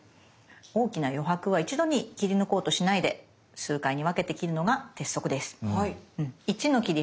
大きな余白は一度に切り抜こうとしないで数回に分けて切るのが鉄則です。